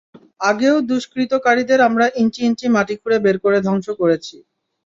আগেও দুষ্কৃতকারীদের আমরা ইঞ্চি ইঞ্চি মাটি খুঁড়ে বের করে ধ্বংস করেছি।